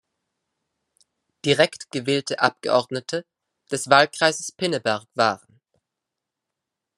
Direkt gewählte Abgeordnete des Wahlkreises Pinneberg waren